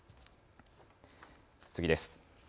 次です。